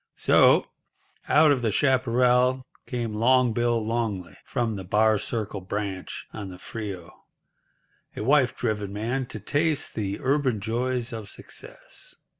So, out of the chaparral came Long Bill Longley from the Bar Circle Branch on the Frio—a wife driven man—to taste the urban joys of success.